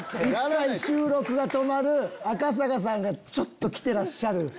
一回、収録が止まる、赤坂さんがちょっとキテらっしゃる。